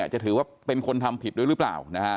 จะถือว่าเป็นคนทำผิดด้วยหรือเปล่า